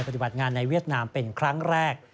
ปฏิบัติงานในเวียดนามเป็นครั้งแรก